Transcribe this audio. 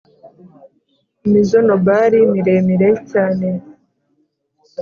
imizonobari miremire cyane,